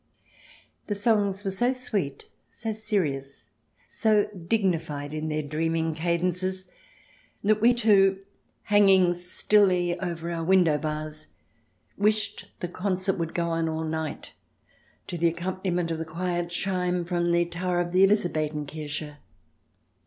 The songs were so sweet, so serious, so dignified in their dreaming cadences that we two, hanging stilly over our window bars, wished the concert would go on all night, to the accompaniment of the quiet chime from the tower of the Elizabethen Kirche.